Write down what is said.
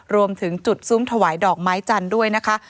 รวมถึงจุดซุ้มถวายดอกไม้จันทร์ด้วยนะคะ